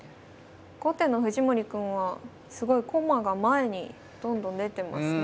後手の藤森くんはすごい駒が前にどんどん出てますね。